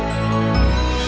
tungguin dari tadi